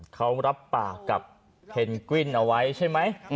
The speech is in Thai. เขารับปากกับเพนกวิ้นเอาไว้ใช่ไหม